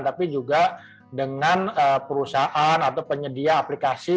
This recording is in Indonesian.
tapi juga dengan perusahaan atau penyedia aplikasi